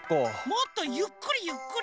もっとゆっくりゆっくり！